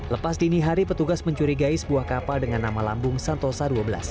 lepas dini hari petugas mencurigai sebuah kapal dengan nama lambung santosa dua belas